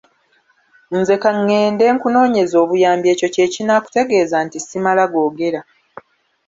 Nze ka nnende nkunoonyeze obuyambi ekyo kye kinaakutegeeza nti simala googera.